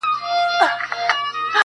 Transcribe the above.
انګولاوي به خپرې وې د لېوانو،